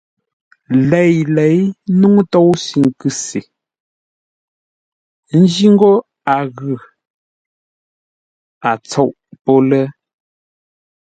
Léi-lěi nuŋú tóusʉ nkʉ se, ńjí ńgó a ghʉ, a tsôʼ pô lə́.